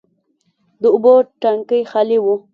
د اوبو ټانکي خالي و.